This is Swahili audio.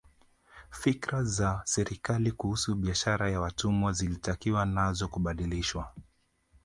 Fikra za serikali kuhusu biashara ya watumwa zilitakiwa nazo kubadilishwa